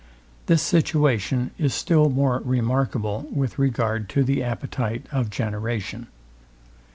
This situation is still more remarkable with regard to the appetite of generation.